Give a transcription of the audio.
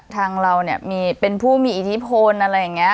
ทางเราเนี่ยมีเป็นผู้มีอิทธิพลอะไรอย่างนี้